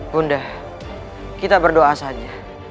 bunda kita berdoa saja